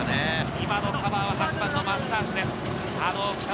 今のカバーは８番の松橋です。